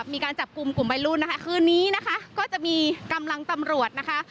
มีการจับกลุ่มกลุ่มวัยรุ่นนะคะคืนนี้นะคะก็จะมีกำลังตำรวจนะคะ